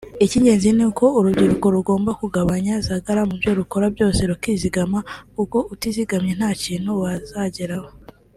Icy’ingenzi ni uko urubyiruko rugomba kugabanya zagara mu byo rukora byose rukizigama kuko utizigamye nta kintu wazageraho